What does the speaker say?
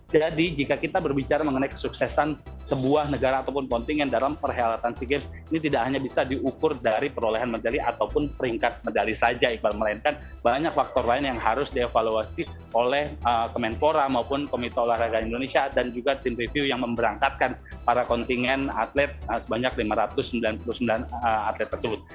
jadi jika kita berbicara mengenai kesuksesan sebuah negara ataupun kontingen dalam perhealatan si game ini tidak hanya bisa diukur dari perolehan medali ataupun peringkat medali saja ikbal melainkan banyak faktor lain yang harus dievaluasi oleh kementora maupun komite olahraga indonesia dan juga tim review yang memberangkatkan para kontingen atlet sebanyak lima ratus sembilan puluh sembilan atlet